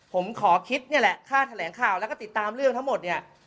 ผมขอคิดนี่แหละค่าแถลงข่าวแล้วก็ติดตามเรื่องทั้งหมดเนี่ย